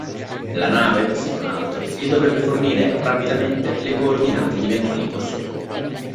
La nave, se non altro, gli dovrebbe fornire rapidamente le coordinate di eventuali incursori.